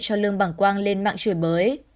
cho lương bằng quang lên mạng chửi bới